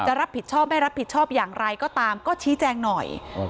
รับผิดชอบไม่รับผิดชอบอย่างไรก็ตามก็ชี้แจงหน่อยอืม